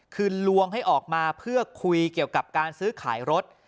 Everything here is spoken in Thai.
คือลวงให้ออกมาเพื่อคุยเกี่ยวกับการซื้อขายรถ